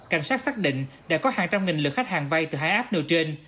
cảnh sát xác định đã có hàng trăm nghìn lượt khách hàng vai từ hai app nơi trên